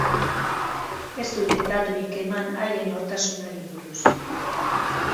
Ez dute daturik eman haien nortasunari buruz.